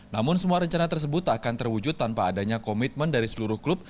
namun semua rencana tersebut akan terwujud tanpa adanya komitmen dari seluruh klub